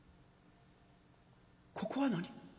ここは何？